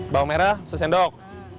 bawang merah sesendok